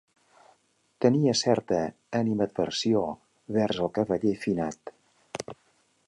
Tenia certa animadversió vers el cavaller finat.